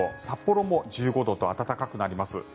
札幌も１５度と暖かくなります。